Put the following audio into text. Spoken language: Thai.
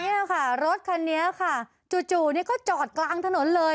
นี่ค่ะรถคันนี้ค่ะจู่นี่ก็จอดกลางถนนเลย